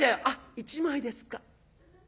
「あっ１枚ですか。